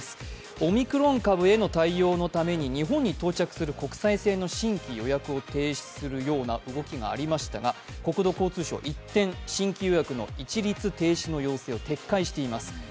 オミクロン株への対応のために日本に到着する航空便、規制がある動きがありましたが、国土交通省は一転、新規予約の一律停止の要請を撤回しています。